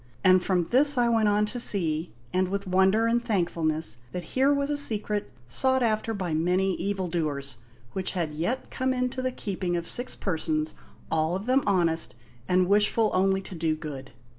And from this I went on to see, and with wonder and thankfulness, that here was a secret, sought after by many evildoers, which had yet come into the keeping of six persons, all of them honest, and wishful only to do good.